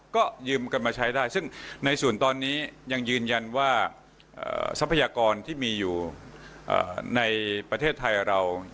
ก็ยืมกันมาใช้ได้ซึ่งในส่วนตอนนี้ยังยืนยันว่าทรัพยากรที่มีอยู่ในประเทศไทยเรา